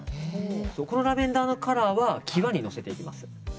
このラベンダーのカラーは際にのせていきます。